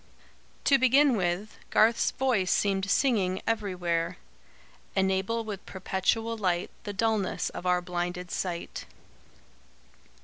To begin with, Garth's voice seemed singing everywhere: "Enable with perpetual light The dulness of our blinded sight."